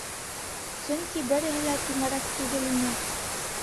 Сөнки береһе лә түңәрәк түгел ине.